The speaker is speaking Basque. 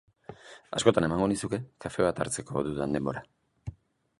Askotan emango nizuke kafe bat hartzeko dudan denbora.